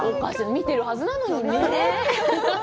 見てるはずなのにね？